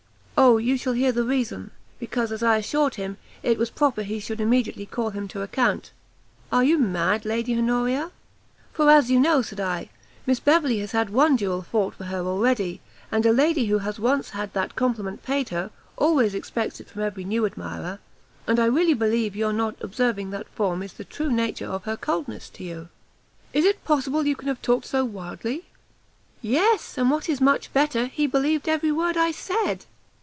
"O, you shall hear the reason; because, as I assured him, it was proper he should immediately call him to account." "Are you mad, Lady Honoria?" "For you know, said I, Miss Beverley has had one duel fought for her already, and a lady who has once had that compliment paid her, always expects it from every new admirer; and I really believe your not observing that form is the true cause of her coldness to you." "Is it possible you can have talked so wildly?" "Yes, and what is much better, he believed every word I said!"